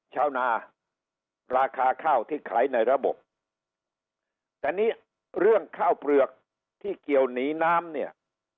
ชาวนาราคาข้าวที่ขายในระบบแต่นี้เรื่องข้าวเปลือกที่เกี่ยวหนีน้ำเนี่ย